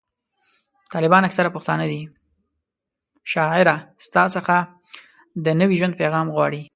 شاعره ستا څخه د نوي ژوند پیغام غواړي